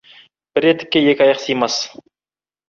Бір етікке екі аяқ симас.